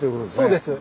そうです。